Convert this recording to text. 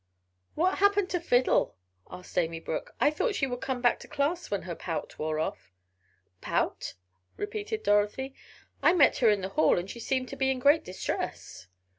"What happened to Fiddle?" asked Amy Brook. "I thought she would come back to class when her pout wore off." "Pout?" repeated Dorothy. "I met her in the hall and she seemed to be in great distress."